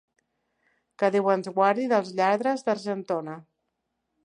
Que Déu ens guardi dels lladres d'Argentona.